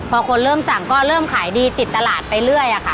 พอคนเริ่มสั่งก็เริ่มขายดีติดตลาดไปเรื่อยค่ะ